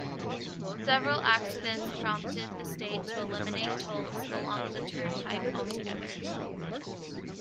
Several accidents prompted the state to eliminate tolls along the turnpike altogether.